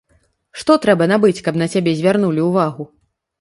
Што трэба набыць, каб на цябе звярнулі ўвагу?